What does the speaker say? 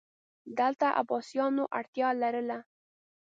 دلته عباسیانو اړتیا لرله